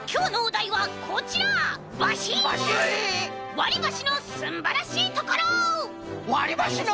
「わりばしのすんばらしいところ！」。